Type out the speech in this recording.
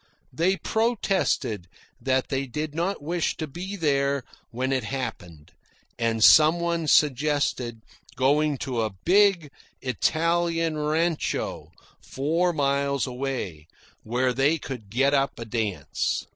They protested that they did not wish to be there when it happened, and some one suggested going to a big Italian rancho four miles away, where they could get up a dance.